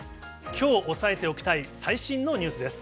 きょう押さえておきたい最新のニュースです。